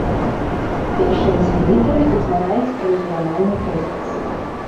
Першыя дзве літары ўтвараюць рэгіянальны прэфікс.